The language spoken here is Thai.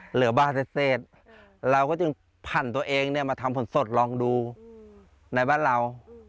เหลือบ้านเศษเราก็จึงพันธุ์ตัวเองมาทำผลสดลองดูในบ้านเรา